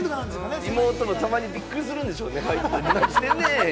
妹もたまにびっくりするんでしょうね、何してんねん！